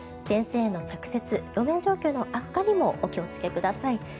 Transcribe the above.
電線への着雪路面状況の悪化にもお気をつけください。